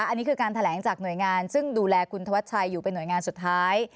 อันนี้คือการแถลงจากหน่วยงานซึ่งดูแลคุณธวัชชัยอยู่เป็นหน่วยงานสุดท้าย